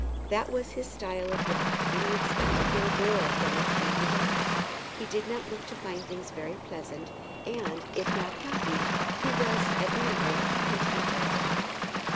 That was his style of life, and he expected no more from it than he got. He did not look to find things very pleasant, and, if not happy, he was, at any rate, contented.